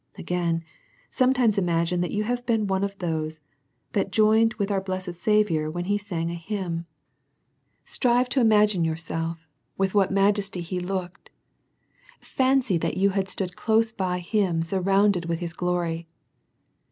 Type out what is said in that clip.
Again, Sometimes imagine that you had been one of those that joined with our blessed Saviour when he sung an hymn. Strive to imagine to yourself with what majesty he looked; fancy that you had stood close by him, surrounded with his glory.